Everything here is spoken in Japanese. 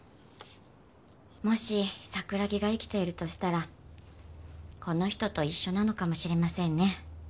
もし桜木が生きているとしたらこの人と一緒なのかもしれませんね。